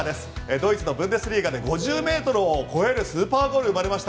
ドイツのブンデスリーガで５０ｍを超えるスーパーゴール生まれました